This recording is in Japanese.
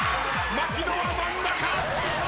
槙野は真ん中！